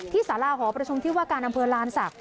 สาราหอประชุมที่ว่าการอำเภอลานศักดิ